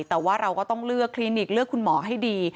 แต่ว่าเราก็ต้องเลือกคลินิกเลือกคุณหมอให้ดี